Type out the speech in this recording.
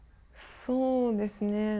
そうですね。